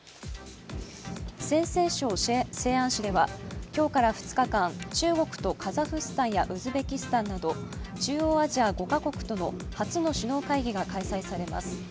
陝西省西安市では、今日から２日間中国とカザフスタンやウズベキスタンなど中央アジア５か国との初の首脳会議が開催されます。